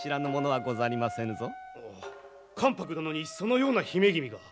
おお関白殿にそのような姫君が。